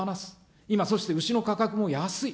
今、そして牛の価格も安い。